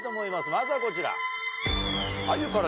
まずはこちら。